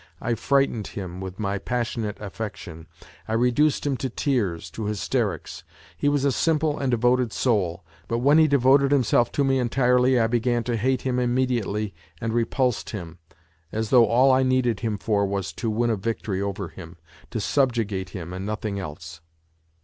I frightened him with my passionate affection; I reduced him to tears, to hysterics. He was a simple and devoted soul ; but when he devoted himself to me entirely I began to hate him immediately and repulsed him as though all I needed him for was to win a victory over him, to subjugate him and nothing else.